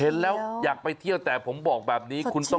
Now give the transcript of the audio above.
เห็นแล้วอยากไปเที่ยวแต่ผมบอกแบบนี้